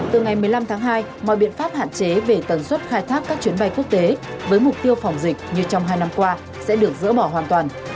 từ ngày một mươi năm tháng hai mọi biện pháp hạn chế về tần suất khai thác các chuyến bay quốc tế với mục tiêu phòng dịch như trong hai năm qua sẽ được dỡ bỏ hoàn toàn